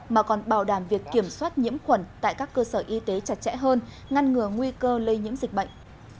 mà còn bảo đảm việc kiểm soát nhiễm khuẩn tại các cơ sở y tế chặt chẽ hơn ngăn ngừa nguy cơ lây nhiễm dịch bệnh